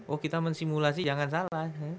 oh kita mensimulasi jangan salah